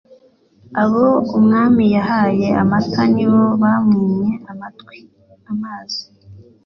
Abo umwami yahaye amata nibo bamwimye amatwi (amazi).